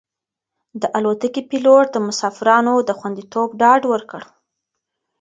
د الوتکې پېلوټ د مسافرانو د خوندیتوب ډاډ ورکړ.